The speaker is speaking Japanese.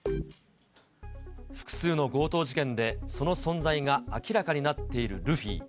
複数の強盗事件で、その存在が明らかになっているルフィ。